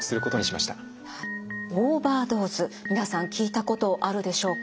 オーバードーズ皆さん聞いたことあるでしょうか？